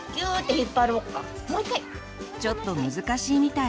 ちょっと難しいみたい。